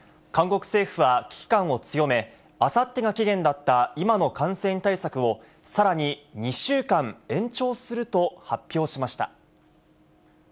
韓国政府は危機感を強め、あさってが期限だった今の感染対策を、さらに２週間延長すると発表しました。